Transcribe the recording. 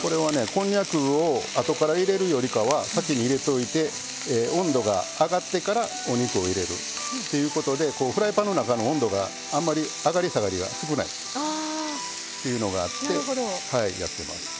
こんにゃくをあとから入れるよりかは先に入れておいて温度が上がってからお肉を入れるっていうことでフライパンの中の温度があんまり上がり下がりが少ないというのがあってやってます。